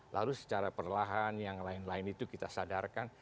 lalu secara perlahan yang lain lain itu kita sadarkan